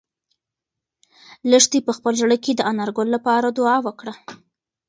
لښتې په خپل زړه کې د انارګل لپاره دعا وکړه.